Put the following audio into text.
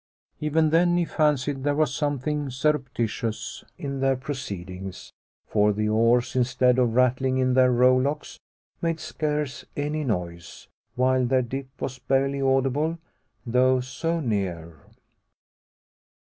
Even then he fancied there was something surreptitious in their proceedings; for the oars, instead of rattling in their rowlocks made scarce any noise, while their dip was barely audible, though so near.